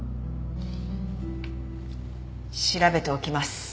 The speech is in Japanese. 調べておきます